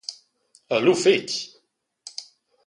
E lu fetg.